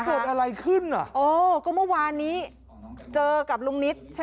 เริ่มอะไรขึ้นอ่ะอ๋อก็ม่ะวานนี้เจอกับลุงนิดใช่